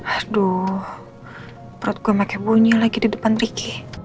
aduh perut gue makanya bunyi lagi di depan riki